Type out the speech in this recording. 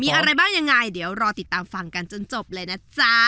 มีอะไรบ้างยังไงเดี๋ยวรอติดตามฟังกันจนจบเลยนะจ๊ะ